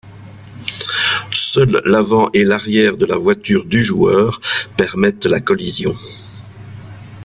Seuls l'avant et l'arrière de la voiture du joueur permettent la collision.